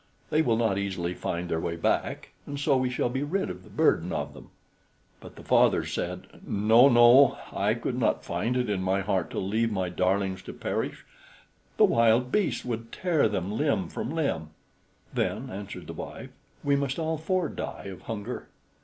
They will not easily find their way back, and so we shall be rid of the burden of them." But the father said: "No, no! I could not find it in my heart to leave my darlings to perish. The wild beasts would tear them limb from limb." "Then," answered the wife, "we must all four die of hunger."